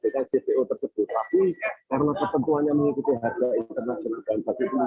dan baku ini juga terjadi kenaikan